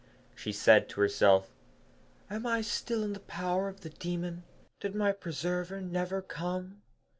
She said to herself, 'Am I still in the power of the demon? Did my preserver never come?'